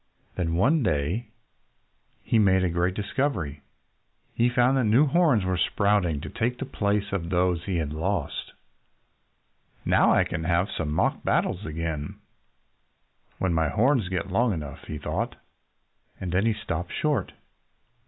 Then, one day, he made a great discovery. He found that new horns were sprouting to take the place of those that he had lost! "Now I can have some mock battles again when my horns get long enough," he thought. And then he stopped short.